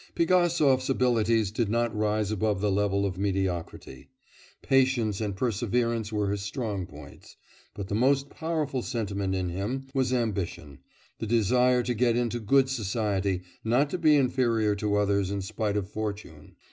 Pigasov's abilities did not rise above the level of mediocrity; patience and perseverance were his strong points, but the most powerful sentiment in him was ambition, the desire to get into good society, not to be inferior to others in spite of fortune.